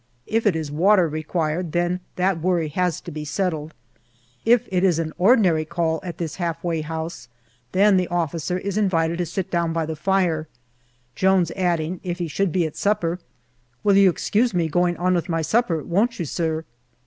" If it is water required, then that worry has to be settled ; if it is an ordinary call at this half way house, then the officer is invited to sit down by the fire, Jones adding, if he should be at supper, " You will excuse me going on with my supper, won't you, sir